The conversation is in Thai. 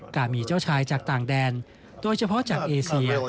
การมีเจ้าชายจากต่างแดนโดยเฉพาะจากเอเซีย